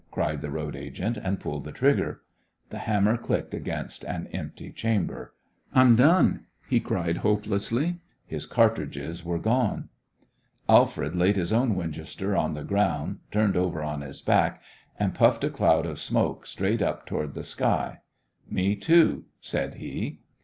cried the road agent, and pulled the trigger. The hammer clicked against an empty chamber. "I'm done!" he cried, hopelessly. His cartridges were gone. Alfred laid his own Winchester on the ground, turned over on his back, and puffed a cloud of smoke straight up toward the sky. "Me, too," said he.